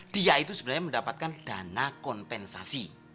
dia itu sebenarnya mendapatkan dana kompensasi